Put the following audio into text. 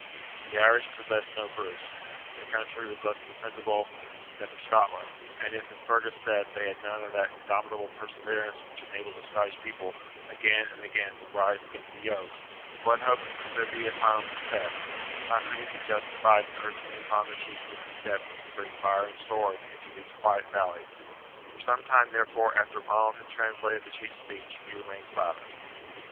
The Irish possessed no Bruce; their country was less defendible than Scotland; and if, as Fergus said, they had none of that indomitable perseverance which enabled the Scotch people again and again to rise against the yoke, what hope could there be of final success, how could he be justified in urging upon the chieftain a step which would bring fire and sword into those quiet valleys! For some time, therefore, after Ronald had translated the chief's speech he remained silent.